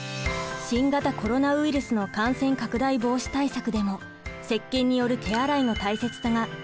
新型コロナウイルスの感染拡大防止対策でもせっけんによる手洗いの大切さが呼びかけられています。